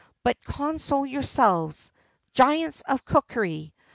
But console yourselves, giants of cookery!